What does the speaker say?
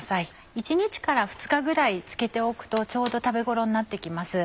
一日から二日ぐらい漬けておくとちょうど食べ頃になって来ます。